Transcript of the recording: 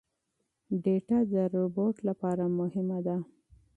ډاټا د روباټ لپاره مهمه ده.